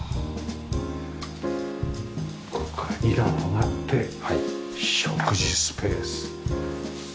ここから二段上がって食事スペース。